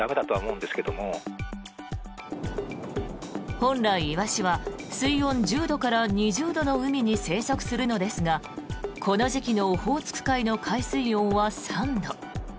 本来、イワシは水温１０度から２０度の海に生息するのですがこの時期のオホーツク海の海水温は３度。